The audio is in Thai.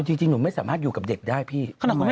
จริงหนูไม่สามารถอยู่กับเด็กได้พี่